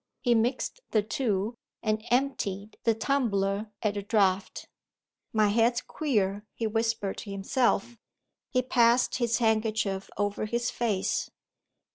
He mixed the two, and emptied the tumbler at a draught. "My head's queer," he whispered to himself. He passed his handkerchief over his face.